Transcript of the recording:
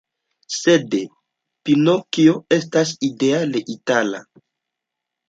Sed Pinokjo estas ideale itala.